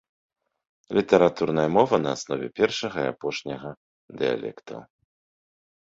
Літаратурная мова на аснове першага і апошняга дыялектаў.